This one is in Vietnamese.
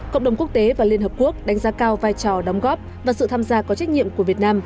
cộng đồng quốc tế và liên hợp quốc đánh giá cao vai trò đóng góp và sự tham gia có trách nhiệm của việt nam